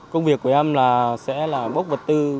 công việc của em là sẽ là bốc vật tư